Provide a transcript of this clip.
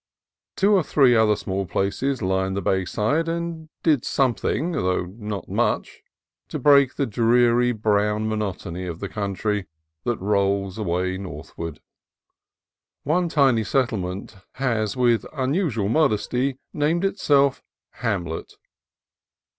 Two or three other small places line the bay side, and did something, though not much, to break the dreary brown monotony of the country that rolls away northward. One tiny settlement has with un usual modesty named itself Hamlet.